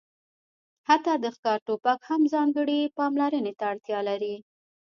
حتی د ښکار ټوپک هم ځانګړې پاملرنې ته اړتیا لري